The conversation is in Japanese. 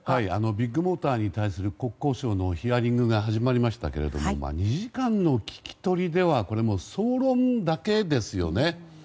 ビッグモーターに関する国交省のヒアリングが始まりましたけども２時間の聞き取りでは総論だけですよね。